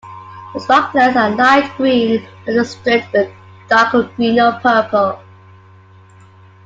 The spikelets are light green, often streaked with darker green or purple.